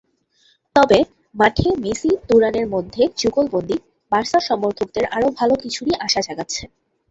তবে মাঠে মেসি-তুরানের মধ্যে যুগলবন্দী বার্সা সমর্থকদের আরও ভালো কিছুরই আশা জাগাচ্ছে।